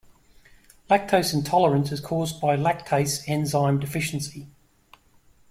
Lactose intolerance is caused by a lactase enzyme deficiency.